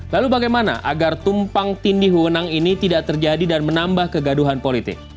lalu bagaimana agar tumpang tindih wewenang ini tidak terjadi dan menambah kegaduhan politik